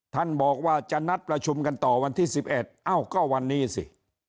ท่านบอกว่าจะนัดประชุมกันต่อวันที่๑๑เอ้าก็วันนี้สิ